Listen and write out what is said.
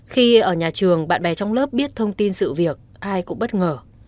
khi ở nhà trường bạn bè trong lớp biết thông tin sự việc ai cũng bất ngờ